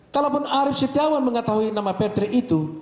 kalaupun arief setiawan mengetahui nama patrick itu